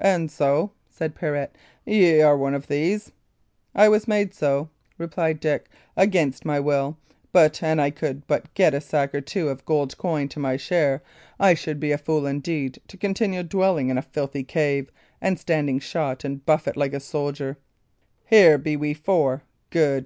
"And so," said Pirret, "y' are one of these?" "I was made so," replied Dick, "against my will; but an I could but get a sack or two of gold coin to my share, I should be a fool indeed to continue dwelling in a filthy cave, and standing shot and buffet like a soldier. Here be we four; good!